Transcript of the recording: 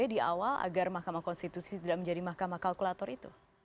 di awal agar mahkamah konstitusi tidak menjadi mahkamah kalkulator itu